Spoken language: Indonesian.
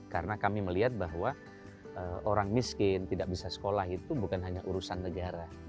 karena kami melihat bahwa orang miskin tidak bisa sekolah itu bukan hanya urusan negara